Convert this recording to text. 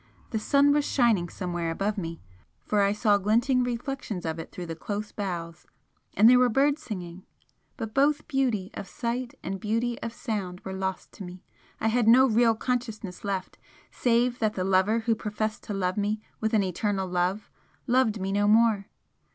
The sun was shining somewhere above me, for I saw glinting reflections of it through the close boughs, and there were birds singing. But both beauty of sight and beauty of sound were lost to me I had no real consciousness left save that the lover who professed to love me with an eternal love loved me no more!